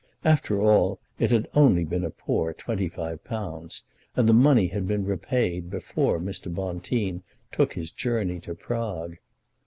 After all it had only been a poor £25, and the money had been repaid before Mr. Bonteen took his journey to Prague.